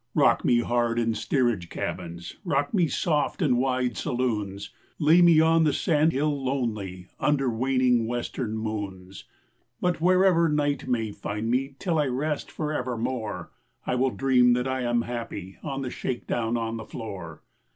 Rock me hard in steerage cabins, Rock me soft in first saloons, Lay me on the sandhill lonely Under waning Western moons ; But wherever night may find me Till I rest for evermore I shall dream that I am happy In the shakedown on the floor.